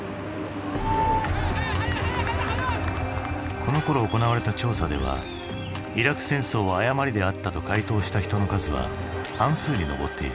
このころ行われた調査では「イラク戦争は誤りであった」と回答した人の数は半数に上っている。